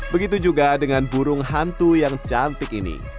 begitu juga dengan burung hantu yang cantik ini